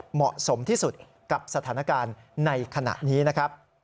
เหมาะสมที่สุดกับสถานการณ์ในขณะนี้นะครับ